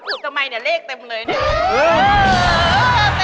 ห้อขู่ดทำไมเนี่ยเลขเต็มเลย